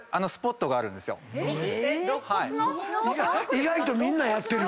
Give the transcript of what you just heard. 意外とみんなやってる。